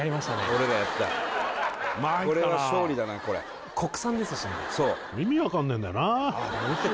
俺らやったこれは勝利だなこれそう意味分かんねえんだよな